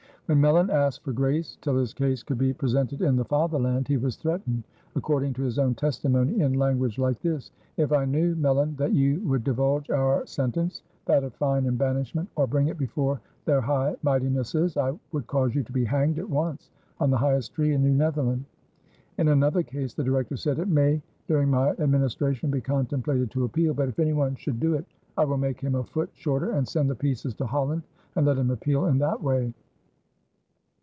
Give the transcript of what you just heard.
When Melyn asked for grace till his case could be presented in the Fatherland, he was threatened, according to his own testimony, in language like this: "If I knew, Melyn, that you would divulge our sentence [that of fine and banishment] or bring it before Their High Mightinesses, I would cause you to be hanged at once on the highest tree in New Netherland." In another case the Director said: "It may during my administration be contemplated to appeal; but if anyone should do it, I will make him a foot shorter, and send the pieces to Holland and let him appeal in that way."